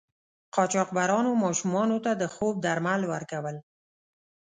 قاچاقبرانو ماشومانو ته د خوب درمل ورکول.